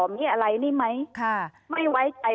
เมียอะไรนี่ไหมค่ะ